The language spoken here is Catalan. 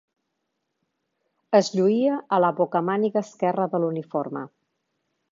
Es lluïa a la bocamàniga esquerra de l'uniforme.